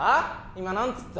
今何つった？